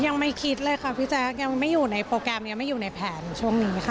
ยังไม่คิดเลยค่ะพี่แจ๊คยังไม่อยู่ในโปรแกรมยังไม่อยู่ในแผนช่วงนี้ค่ะ